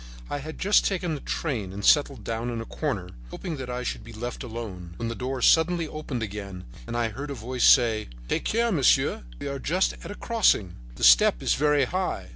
I had just taken the train and settled down in a corner, hoping that I should be left alone, when the door suddenly opened again and I heard a voice say: "Take care, monsieur, we are just at a crossing; the step is very high."